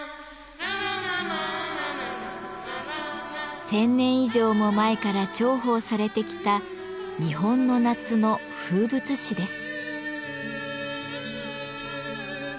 １，０００年以上も前から重宝されてきた日本の夏の風物詩です。